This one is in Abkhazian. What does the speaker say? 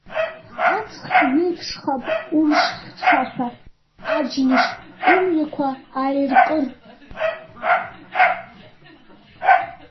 Аҵх иеиԥшхап умш хьшәашәа, аџьныш умҩақәа аиркыр.